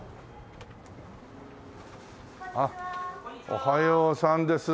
おはようさんです。